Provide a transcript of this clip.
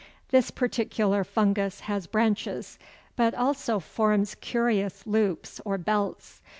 This particular fungus has branches, but also forms curious loops or belts.